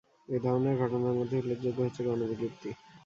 এ ধরনের ঘটনার মধ্যে উল্লেখযোগ্য হচ্ছে গণ বিলুপ্তি।